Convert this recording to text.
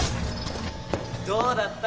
どうだった？